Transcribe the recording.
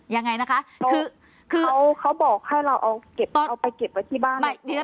ยังไงนะคะคือเขาบอกให้เราเอาไปเก็บไว้ที่บ้าน